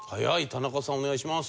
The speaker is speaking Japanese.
田中さんお願いします。